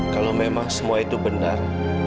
kalau memang semua itu benar